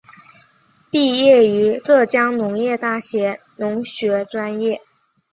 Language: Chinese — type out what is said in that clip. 毕业于浙江农业大学农学专业。